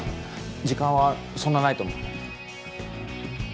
時間はそんなないと思う。